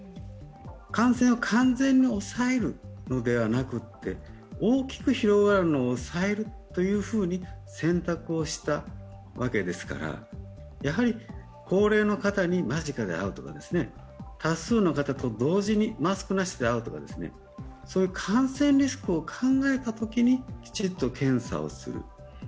感染を完全に抑えるのではなくて大きく広がるのを抑えると選択をしたわけですから、高齢者の方に間近で会うとか、多数の方と同時にマスクなしで会うとか、そういう感染リスクを考えたときにきちっと検査をする。